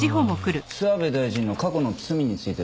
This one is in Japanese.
諏訪部大臣の過去の罪についてだったよな？